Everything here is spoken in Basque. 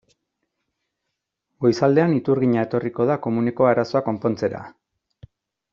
Goizaldean iturgina etorriko da komuneko arazoa konpontzera.